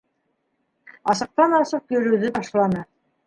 Асыҡтан-асыҡ йөрөүҙе ташланы.